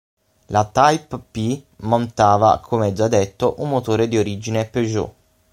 La Typ P montava come già detto un motore di origine Peugeot.